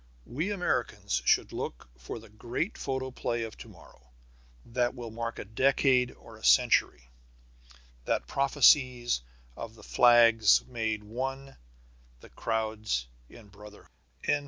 We Americans should look for the great photoplay of to morrow, that will mark a decade or a century, that prophesies of the flags made one, the crowds in brotherhood.